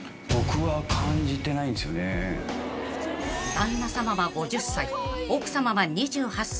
［旦那さまは５０歳奥さまは２８歳］